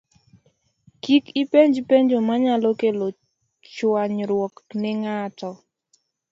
Kik ipenj penjo manyalo kelo chwanyruok ne ng'ato